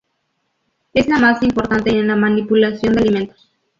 Es la más importante en la manipulación de alimentos.